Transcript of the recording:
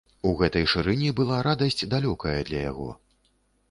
У гэтай шырыні была радасць, далёкая для яго.